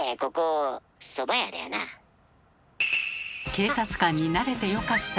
警察官になれてよかった。